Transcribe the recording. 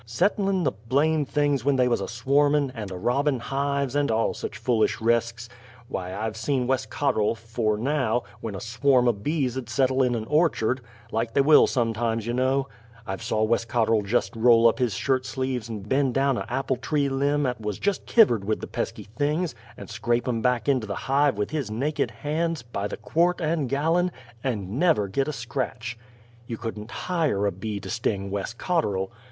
"Settlin'" the blame' things when they wuz a swarmin'; and a robbin' hives, and all sich fool resks. W'y, I've saw Wes Cotterl, 'fore now, when a swarm of bees 'ud settle in a' orchard, like they will sometimes, you know, I've saw Wes Cotterl jest roll up his shirt sleeves and bend down a' apple tree limb 'at wuz jest kivvered with the pesky things, and scrape 'em back into the hive with his naked hands, by the quart and gallon, and never git a scratch! You couldn't hire a bee to sting Wes Cotterl!